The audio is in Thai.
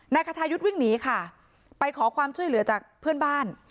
คทายุทธ์วิ่งหนีค่ะไปขอความช่วยเหลือจากเพื่อนบ้าน